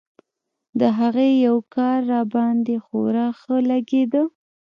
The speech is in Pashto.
د هغې يو کار راباندې خورا ښه لګېده.